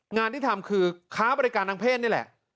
งานที่ทำคือค้าบริการทางเพศนี่แหละ